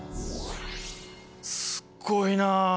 すっごいなあ。